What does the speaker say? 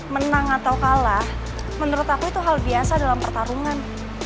menang atau kalah menurut aku itu hal biasa dalam pertarungan